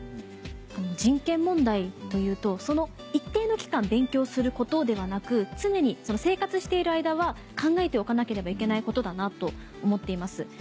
人権問題というとその一定の期間勉強することではなく常に生活している間は考えておかなければいけないことだなと思っています。